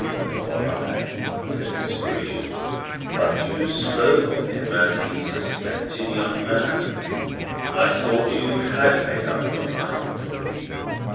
"Nor I," said Mr. Grewgious. "But as you spoke of him as the suspected young man, I thought you had made up your mind.